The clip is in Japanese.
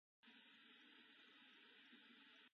ベンチに座りました。